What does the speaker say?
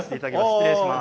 失礼します。